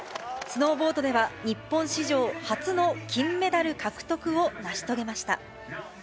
スノーボードでは、日本史上初の金メダル獲得を成し遂げました。